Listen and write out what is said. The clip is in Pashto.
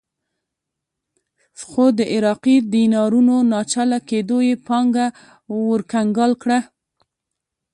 خو د عراقي دینارونو ناچله کېدو یې پانګه ورکنګال کړه.